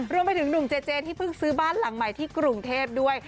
รวมไปถึงหนุ่มเจเจที่เพิ่งซื้อบ้านหลังใหม่ที่กรุงเทพด้วย